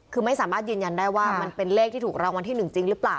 คือไม่สามารถยืนยันได้ว่ามันเป็นเลขที่ถูกรางวัลที่๑จริงหรือเปล่า